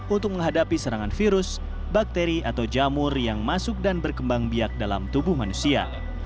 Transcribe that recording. untuk menghadapi serangan virus bakteri atau jamur yang masuk dan berkembang biak dalam tubuh manusia